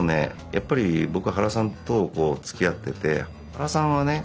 やっぱり僕は原さんとつきあってて原さんはね